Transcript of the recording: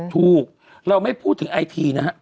ถูกเราไม่พูดถึงไอทีนะฮะ